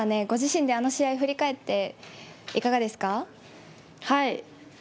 ご自身であの試合振り返って、いかがですか。